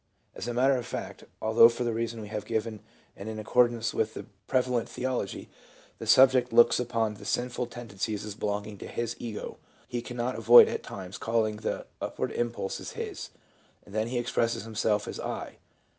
As a matter of fact, although, for the reason we have given and in accordance with the prev 370 LEUBA : alent theology, the subject looks upon the sinful tendencies as belonging to his ego, he cannot avoid at times calling the upward impulses his, and then he expresses himself as I.